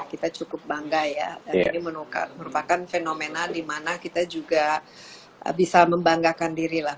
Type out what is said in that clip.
kita cukup bangga ya dan ini merupakan fenomena dimana kita juga bisa membanggakan diri lah